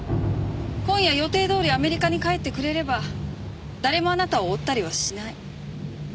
今夜予定どおりアメリカに帰ってくれれば誰もあなたを追ったりはしない。